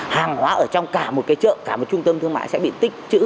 hàng hóa ở trong cả một cái chợ cả một trung tâm thương mại sẽ bị tích chữ